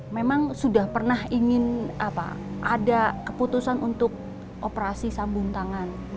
memang sudah pernah ingin ada keputusan untuk operasi sambung tangan